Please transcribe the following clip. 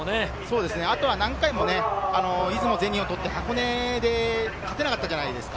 あとは何回も出雲、全日本を取って箱根で勝てなかったじゃないですか。